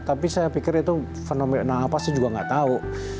tapi saya pikir itu fenomena apa saya juga nggak tahu